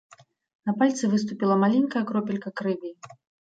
На пальцы выступіла маленькая кропелька крыві.